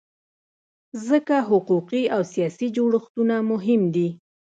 ځکه حقوقي او سیاسي جوړښتونه مهم دي.